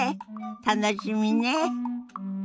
楽しみね。